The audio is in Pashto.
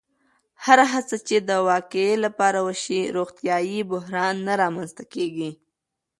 هره هڅه چې د وقایې لپاره وشي، روغتیایي بحران نه رامنځته کېږي.